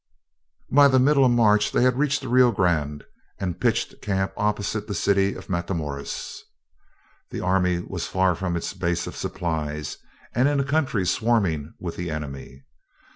By the middle of March they had reached the Rio Grande, and pitched camp opposite the city of Matamoras. Their army was far from its base of supplies and in a country swarming with the enemy.